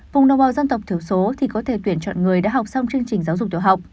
vùng đồng bào dân tộc thiểu số thì có thể tuyển chọn người đã học xong chương trình giáo dục tiểu học